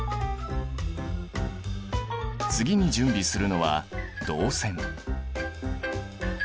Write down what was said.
次に準備するのは銅線。